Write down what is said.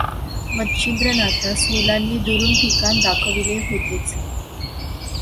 मच्छिंद्रनाथास मुलांनी दुरून ठिकाण दाखविले होतेच.